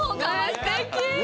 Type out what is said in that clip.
すてき。